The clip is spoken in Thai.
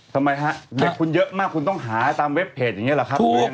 ทำไมฮะเด็กคุณเยอะมากคุณต้องหาตามเว็บเพจอย่างนี้แหละครับ